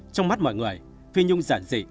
trong mắt mọi người phi nhung giản dị